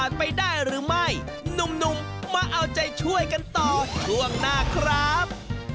รถตีมาขอดูหน่อยครับ